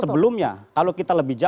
sebelumnya kalau kita lebih